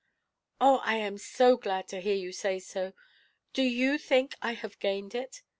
"Oh, I am so glad to hear you say so. Do you think I have gained it?